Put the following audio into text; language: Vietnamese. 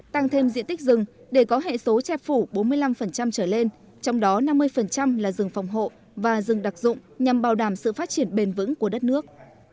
tăng thêm diện tích rừng để có hệ số chép phủ bốn mươi năm trở lên trong đó năm mươi là rừng phòng hộ và rừng đặc dụng nhằm bảo đảm sự phát triển bền vững của đất nước